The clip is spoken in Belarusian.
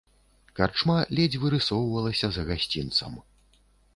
Карчма ледзь вырысоўвалася за гасцінцам.